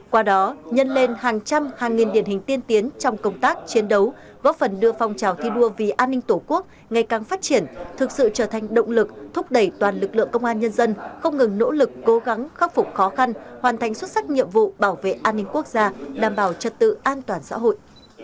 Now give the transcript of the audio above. qua đó nhân lên hàng trăm hàng nghìn điển hình tiên tiến trong công tác chiến đấu góp phần đưa phong trào thi đua vì an ninh tổ quốc ngày càng phát triển thực sự trở thành động lực thúc đẩy toàn lực lượng công an nhân dân không ngừng nỗ lực cố gắng khắc phục khó khăn hoàn thành xuất sắc nhiệm vụ bảo vệ an ninh quốc gia đảm bảo trật tự an toàn xã hội